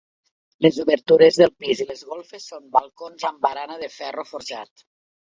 Les obertures del pis i les golfes són balcons amb barana de ferro forjat.